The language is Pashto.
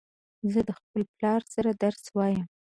زه د خپل پلار سره درس وایم